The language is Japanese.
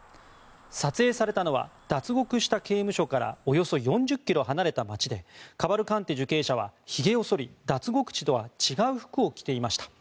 撮影されたのは脱獄した刑務所からおよそ４０ｋｍ離れた街でカバルカンテ受刑者はひげをそり、脱獄時とは違う服を着ていました。